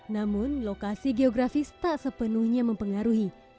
namun lokasi geografis tak sepenuhnya mempengaruhi